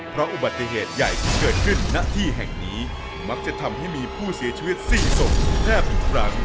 เพราะอุบัติเหตุใหญ่ที่เกิดขึ้นณที่แห่งนี้มักจะทำให้มีผู้เสียชีวิต๔ศพแทบทุกครั้ง